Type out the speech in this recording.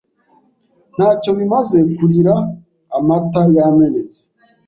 Ntacyo bimaze kurira amata yamenetse.